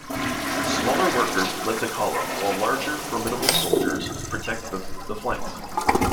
Smaller workers lead the column, while larger, formidable soldiers protect the flanks.